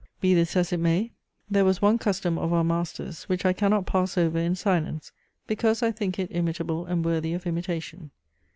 Be this as it may, there was one custom of our master's, which I cannot pass over in silence, because I think it imitable and worthy of imitation.